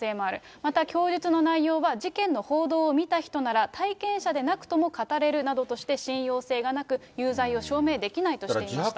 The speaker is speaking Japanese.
また、供述の内容は事件の報道を見た人なら、体験者でなくとも語れるなどとして、信用性がなく、有罪を証明できないとしていました。